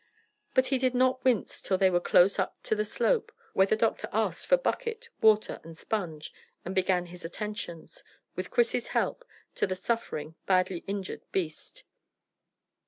But he did not wince till they were close up to the slope, where the doctor asked for bucket, water, and sponge, and began his attentions, with Chris's help, to the suffering, badly injured beast.